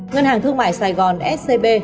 ngân hàng thương mại sài gòn scb